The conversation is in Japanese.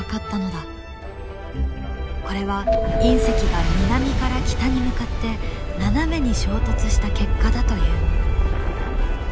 これは隕石が南から北に向かって斜めに衝突した結果だという。